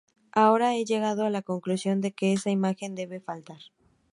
Ahora he llegado a la conclusión de que esa imagen debe faltar.